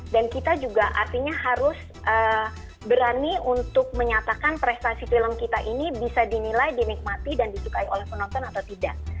dan kita juga artinya harus berani untuk menyatakan prestasi film kita ini bisa dinilai dinikmati dan disukai oleh penonton atau tidak